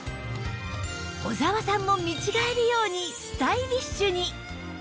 小澤さんも見違えるようにスタイリッシュに